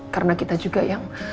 karena kita juga yang